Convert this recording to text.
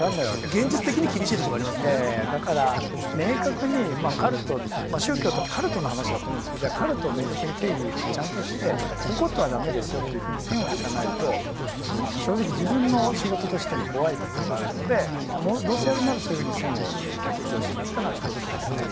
現実的に厳しいときもありまだから、明確にカルト、宗教っていうか、カルトの話だと思うんですけど、じゃあ、カルトを明確に定義、ちゃんとして、こことはだめですよっていうふうに線を引かないと、正直、自分の仕事としても怖いところがあるので、どうせやるなら、そういうふうに線を引いてほしいなっていうのは１つですね。